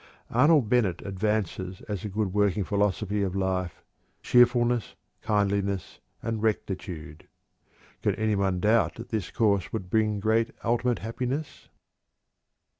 Arnold Bennett advances as a good working philosophy of life: "cheerfulness, kindliness, and rectitude." Can any one doubt that this course would bring great ultimate happiness?